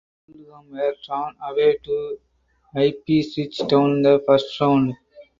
Oldham were drawn away to Ipswich Town in the first round.